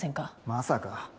まさか。